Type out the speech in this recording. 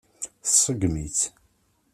Tseggem-itt.